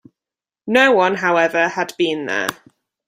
No one, however, had been there.